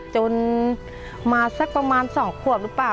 จนมาสักประมาณ๒ขวบหรือเปล่า